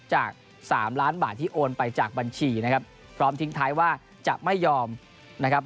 จากสามล้านบาทที่โอนไปจากบัญชีนะครับพร้อมทิ้งท้ายว่าจะไม่ยอมนะครับ